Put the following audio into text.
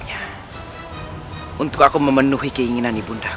kau tidak perlu menghajar